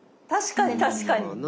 確かに確かに。